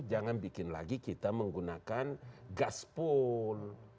jangan bikin lagi kita menggunakan gaspol